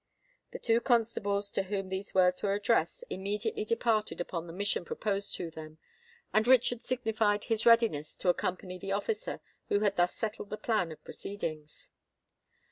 The two constables to whom these words were addressed, immediately departed upon the mission proposed to them, and Richard signified his readiness to accompany the officer who had thus settled the plan of proceedings.